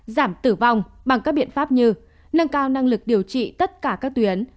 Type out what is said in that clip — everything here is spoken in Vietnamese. giảm tử vong bằng các biện pháp như nâng cao năng lực điều trị tất cả các tuyến